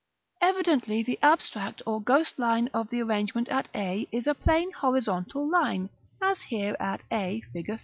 XXIX. Evidently the abstract or ghost line of the arrangement at A is a plain horizontal line, as here at a, Fig.